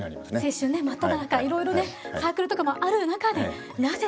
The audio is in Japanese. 青春ね真っただ中いろいろねサークルとかもある中でなぜ。